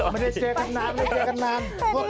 ไม่ได้เจอกันนานไม่เจอกันนาน